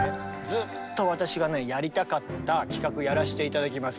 ずっと私がねやりたかった企画やらせて頂きます。